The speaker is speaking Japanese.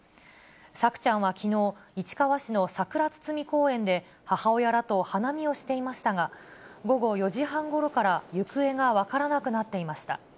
朔ちゃんはきのう、市川市のさくら堤公園で、母親らと花見をしていましたが、午後４時半ごろから行方が分からなくなっていました。